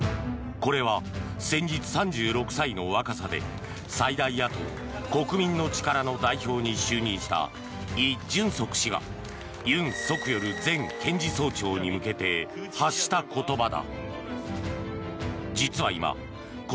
これは先日、３６歳の若さで最大野党・国民の力に就任したイ・ジュンソク氏がユン・ソクヨル前検事総長に向けて発した言葉だ。